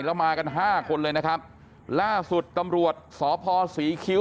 แล้วมากันห้าคนเลยนะครับล่าสุดตำรวจสพศรีคิ้ว